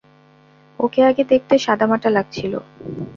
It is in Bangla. ওকে আগে দেখতে সাদামাটা লাগছিল।